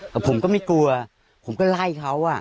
แต่ผมก็ไม่กลัวผมก็ไล่เขา